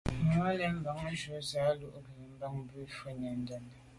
Màmá lɛ̀n mbə̄ mbǎŋ zí lú à gə́ bɑ̌m bú nǔ mwà’nì ndə̂ndə́.